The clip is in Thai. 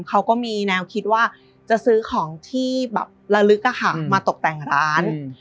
เขาก็มีแนวคิดว่าจะซื้อของที่แบบระลึกมาตกแต่งร้าน